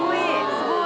すごい！